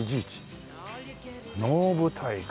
能舞台か。